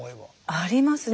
ありますね。